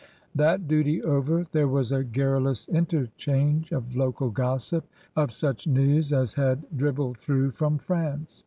That duty over, there was a garrulous interchange of local gossip with a retailing of such news as had dribbled thrpugh from France.